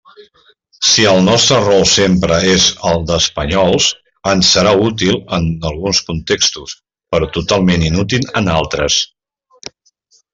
Si el nostre rol sempre és el d'espanyols, ens serà útil en alguns contextos, però totalment inútil en altres.